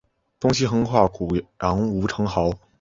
东西向横跨古杨吴城壕。